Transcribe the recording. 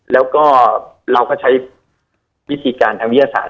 แล้วก็เราก็ใช้วิธีการทางวิทยาศาสต